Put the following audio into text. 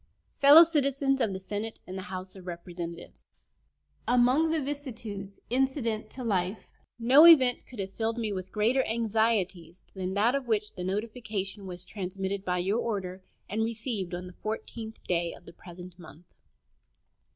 ] Fellow Citizens of the Senate and of the House of Representatives: Among the vicissitudes incident to life no event could have filled me with greater anxieties than that of which the notification was transmitted by your order, and received on the 14th day of the present month.